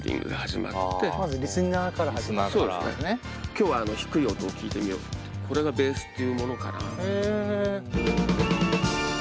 今日は低い音を聴いてみようこれがベースっていうものかな。